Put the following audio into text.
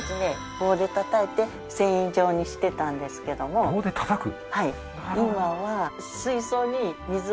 棒で叩いて繊維状にしてたんですけども棒で叩く？